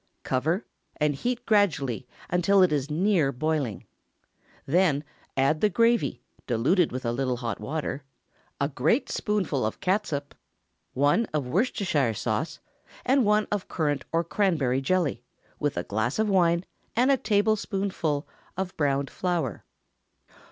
Cover, and heat gradually, until it is near boiling. Then add the gravy, diluted with a little hot water; a great spoonful of catsup, one of Worcestershire sauce, and one of currant or cranberry jelly, with a glass of wine and a tablespoonful of browned flour.